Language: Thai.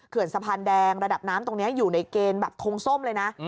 สะพานแดงระดับน้ำตรงนี้อยู่ในเกณฑ์แบบทงส้มเลยนะ